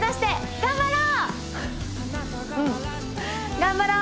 頑張ろう！